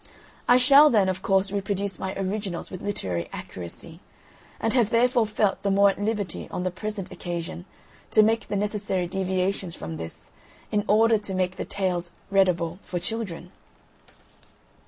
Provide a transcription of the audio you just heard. I shall then, of course, reproduce my originals with literal accuracy, and have therefore felt the more at liberty on the present occasion to make the necessary deviations from this in order to make the tales readable for children.